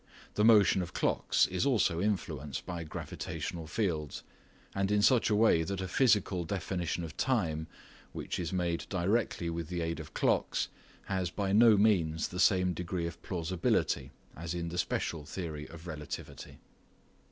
The motion of clocks is also influenced by gravitational fields, and in such a way that a physical definition of time which is made directly with the aid of clocks has by no means the same degree of plausibility as in the special theory of relativity.